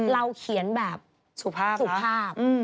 เราเขียนแบบสุภาพสุภาพ